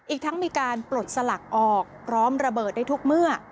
อีกทั้งมีการปลดสลักออกพร้อมระเบิดได้ทุกเมื่อ